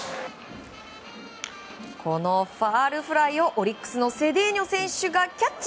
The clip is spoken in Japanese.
ファウルフライをオリックスのセデーニョ選手がキャッチ。